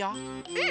うん。